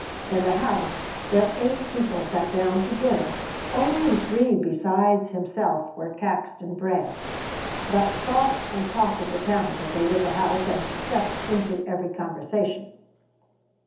In the house, where eight people sat down to dinner, only three besides himself were Caxton bred, but thoughts and talk of the town pervaded the house and crept into every conversation.